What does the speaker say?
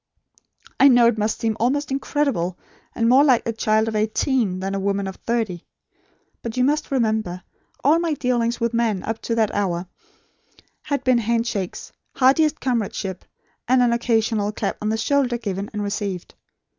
I know it must seem almost incredible, and more like a child of eighteen, than a woman of thirty. But you must remember, all my dealings with men up to that hour had been handshakes, heartiest comradeship, and an occasional clap on the shoulder given and received.